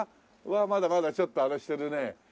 まだまだちょっとあれしてるね。